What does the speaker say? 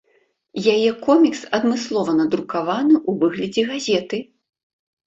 Яе комікс адмыслова надрукаваны ў выглядзе газеты.